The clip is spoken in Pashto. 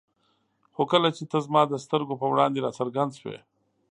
خو کله چې ته زما د سترګو په وړاندې را څرګند شوې.